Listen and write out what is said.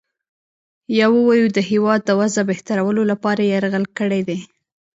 یا ووایو د هیواد د وضع بهترولو لپاره یرغل کړی دی.